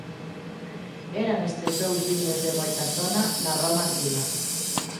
Eran estes dous viños de moita sona na Roma antiga.